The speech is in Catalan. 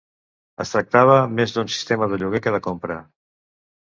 Es tractava més d'un sistema de lloguer que de compra.